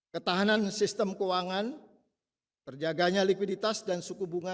ketahanan sistem keuangan terjaganya likuiditas dan suku bunga